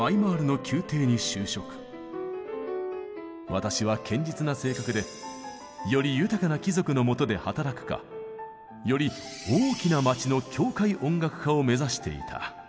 私は堅実な性格でより豊かな貴族のもとで働くかより大きな町の教会音楽家を目指していた。